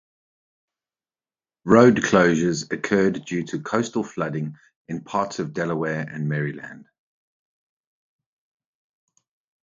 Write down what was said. Road closures occurred due to coastal flooding in parts of Delaware and Maryland.